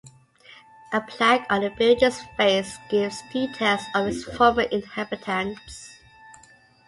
A plaque on the building's face gives details of its former inhabitants.